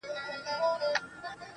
چي بیا يې ونه وینم ومي نه ويني.